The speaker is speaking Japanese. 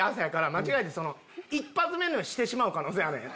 間違えて１発目のしてしまう可能性あるやん。